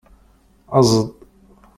Aẓ-d!